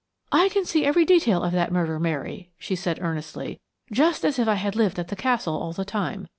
"I can see every detail of that murder, Mary," she said earnestly, "just as if I had lived at the Castle all the time.